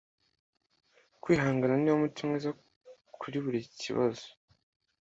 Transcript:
kwihangana niwo muti mwiza kuri buri kibazo. - plautus